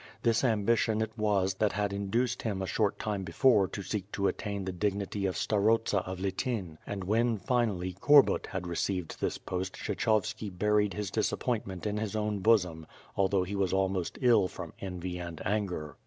This ambition it was that had in duced him a short time before to seek to attain the dignity of starosta of Lityn, and, when finally, Korbut had received this post Kshechovski buried his disappointment in his own ])osom, although be was almost ill from envy and anger.